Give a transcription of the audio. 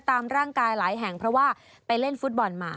ตามร่างกายหลายแห่งเพราะว่าไปเล่นฟุตบอลมา